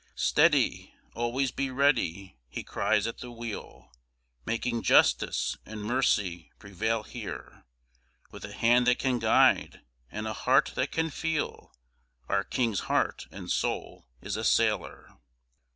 Steady, always be ready, he cries at the wheel, Making justice and mercy prevail here; With a hand that can guide and a heart that can feel, Our King's heart and soul is a Sailor.